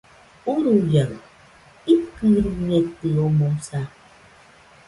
Uruia, ikɨriñeitɨomoɨsa